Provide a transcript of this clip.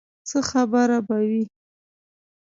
څه خبره به وي.